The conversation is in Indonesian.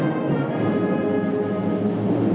lagu kebangsaan indonesia raya